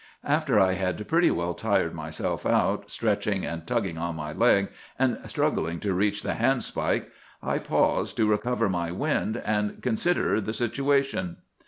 After I had pretty well tired myself out, stretching and tugging on my leg, and struggling to reach the handspike, I paused to recover my wind, and consider the situation.